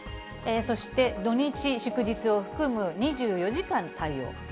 そして土日、祝日を含む２４時間対応。